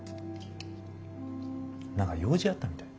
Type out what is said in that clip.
何か用事あったみたい。